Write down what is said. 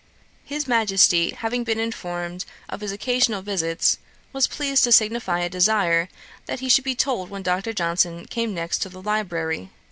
His Majesty having been informed of his occasional visits, was pleased to signify a desire that he should be told when Dr. Johnson came next to the library.